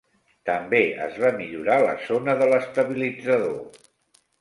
També es va millorar la zona de l'estabilitzador.